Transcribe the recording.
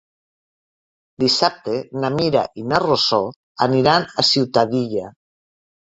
Dissabte na Mira i na Rosó aniran a Ciutadilla.